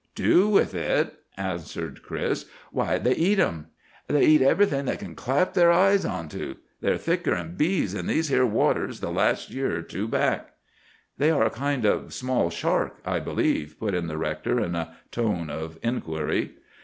"'Do with it!' answered Chris. 'Why, they eat 'em. They eat everything they kin clap ther eye onto. They're thicker'n bees in these here waters the last year er two back.' "'They are a kind of small shark, I believe?' put in the rector in a tone of inquiry.